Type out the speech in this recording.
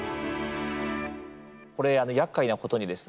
これやっかいなことにですね